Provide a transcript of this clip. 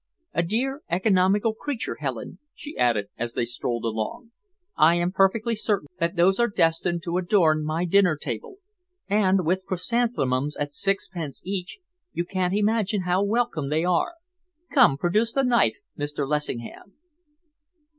A dear, economical creature, Helen," she added, as they strolled along. "I am perfectly certain that those are destined to adorn my dining table, and, with chrysanthemums at sixpence each, you can't imagine how welcome they are. Come, produce the knife, Mr. Lessingham."